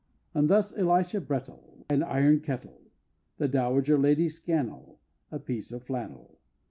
As thus Elisha Brettel, An iron kettle. The Dowager Lady Scannel, A piece of flannel.